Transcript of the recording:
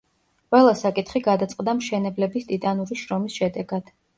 ყველა საკითხი გადაწყდა მშენებლების ტიტანური შრომის შედეგად.